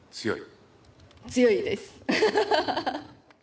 強いです。